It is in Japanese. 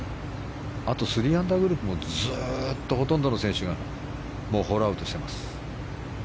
あと３アンダーグループもずっとほとんどの選手がホールアウトしてます。